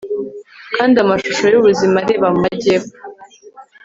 kandi amashusho yubuzima. reba mu majyepfo